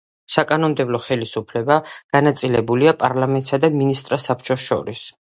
საკანონმდებლო ხელისუფლება განაწილებულია პარლამენტსა და მინისტრთა საბჭოს შორის.